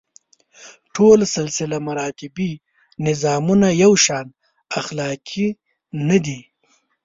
ټول سلسله مراتبي نظامونه یو شان اخلاقي نه دي.